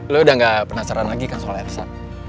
lo udah gak penasaran lagi kan soal ersa